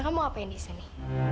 kamu dong kotak begini